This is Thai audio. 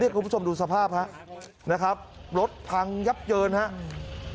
คุณผู้ชมดูสภาพครับนะครับรถพังยับเยินครับ